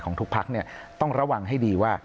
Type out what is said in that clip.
ของทุกพักเนี่ยต้องระวังให้ดีว่า